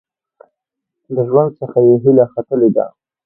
د ژوند څخه یې هیله ختلې ده .